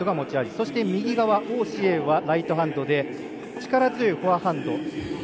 そして王紫瑩はライトハンドで力強いフォアハンド。